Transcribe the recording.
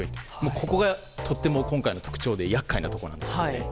ここがとても今回の特徴で厄介なところなんです。